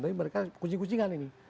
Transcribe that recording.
tapi mereka kucing kucingan ini